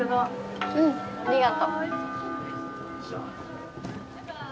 うんありがと。